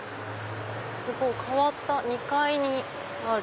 すごい変わった２階にある。